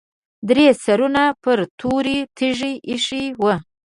درې سرونه پر تورې تیږې ایښي وو.